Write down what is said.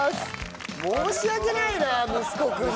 申し訳ないな息子君に。